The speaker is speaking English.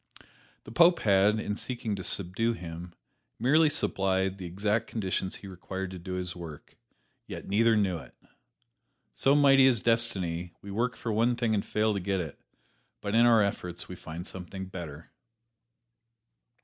The Pope had, in seeking to subdue him, merely supplied the exact conditions he required to do his work yet neither knew it. So mighty is Destiny: we work for one thing and fail to get it, but in our efforts we find something better.